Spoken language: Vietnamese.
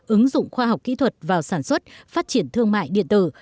ứng dụng khoa học kỹ thuật vào sản xuất phát triển thương mại điện tử